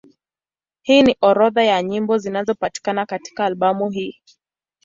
Hii ni orodha ya nyimbo zinazopatikana katika albamu hii.